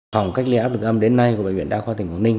phòng cách ly áp lực âm đến nay của bệnh viện đa khoa tỉnh quảng ninh